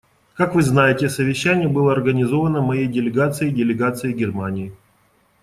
Как вы знаете, совещание было организовано моей делегацией и делегацией Германии.